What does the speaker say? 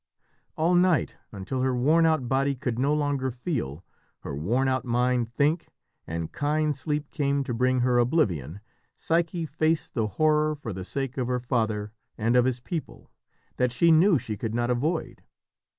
All night, until her worn out body could no longer feel, her worn out mind think, and kind sleep came to bring her oblivion, Psyche faced the horror for the sake of her father and of his people, that she knew she could not avoid.